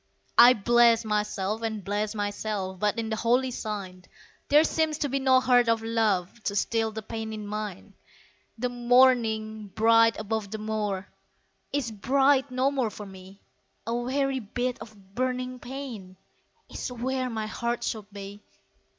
I bless myself and bless myself, But in the holy sign, There seems to be no heart of love, To still the pain in mine. The morning, bright above the moor, Is bright no more for me A weary bit of burning pain Is where my heart should be!